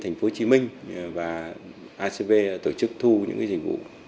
thành phố hồ chí minh và acv tổ chức thu những dịch vụ